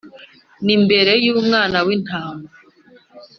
n’imbere y’Umwana w’Intama.